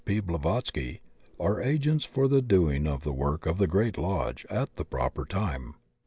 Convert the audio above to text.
P. Blavatsky, are agents for the doing of the work of the Great Lodge at the proper time.